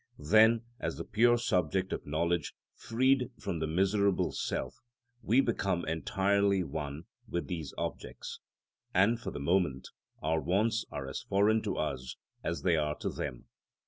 Then, as the pure subject of knowledge, freed from the miserable self, we become entirely one with these objects, and, for the moment, our wants are as foreign to us as they are to them.